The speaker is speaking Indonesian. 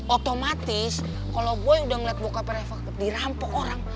otomatis kalau boy udah ngeliat bokapnya reva dirampok orang